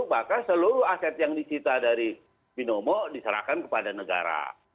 maka seluruh aset yang disita dari binomo diserahkan kepada negara